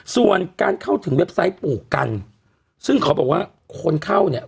ส่วนการเข้าถึงเว็บไซต์ปลูกกันซึ่งเขาบอกว่าคนเข้าเนี่ย